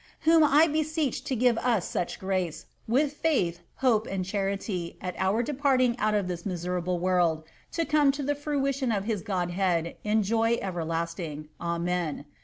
Wboo I beseech to give us such grace, with faith, hope and charity at our departing out of this miserable world, to come to the fruition of his Godhead in joy everlast ing, Amen.